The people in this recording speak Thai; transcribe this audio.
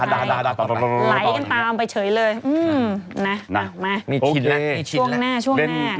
ไหลกันตามไปเฉยเลยอื้มนะมาโอเคช่วงหน้าช่วงหน้า